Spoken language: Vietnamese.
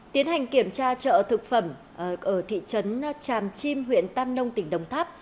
tiến hành kiểm tra chợ thực phẩm ở thị trấn tràm chim huyện tam nông tỉnh đồng tháp